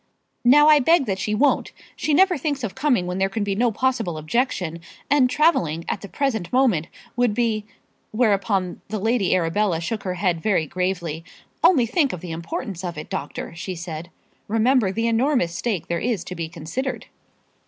"Now I beg that she won't. She never thinks of coming when there can be no possible objection, and travelling, at the present moment, would be " Whereupon the Lady Arabella shook her head very gravely. "Only think of the importance of it, doctor," she said. "Remember the enormous stake there is to be considered."